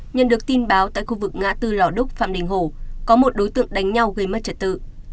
nhận được tin báo tại khu vực ngã tư lò đúc phạm đình hồ có một đối tượng đánh nhau gây mất trật tự